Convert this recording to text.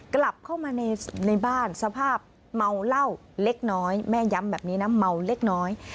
กลับเข้ามาในบ้านสภาพเมาเหล้าเล็กน้อยแม่ย้ำแบบนี้นะเมาเล็กน้อย